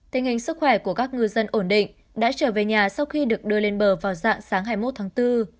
tình hình sức khỏe của các ngư dân ổn định đã trở về nhà sau khi được đưa lên bờ vào dạng sáng hai mươi một tháng bốn